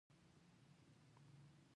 د پیرود ځای کې صفایي ساتل کېږي.